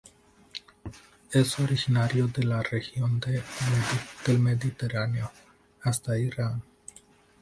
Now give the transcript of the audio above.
Es originario de la región del Mediterráneo hasta Irán.